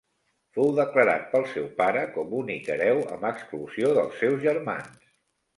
Fou declarat pel seu pare com únic hereu amb exclusió dels seus germans.